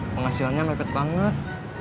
penghasilannya mepet banget